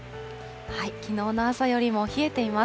きのうの朝よりも冷えています。